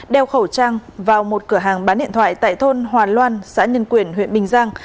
đeo khẩu trang vào một cửa hàng bán điện thoại tại thôn hòa loan xã nhân quyền huyện bình giang